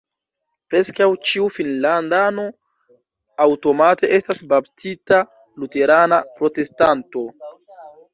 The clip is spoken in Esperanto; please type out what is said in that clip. Preskaŭ ĉiu finnlandano aŭtomate estas baptita luterana protestanto.